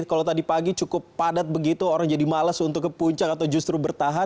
kalau tadi pagi cukup padat begitu orang jadi males untuk ke puncak atau justru bertahan